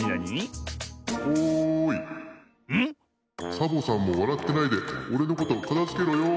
「サボさんもわらってないでおれのことかたづけろよ」。